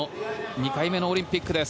２回目のオリンピックです。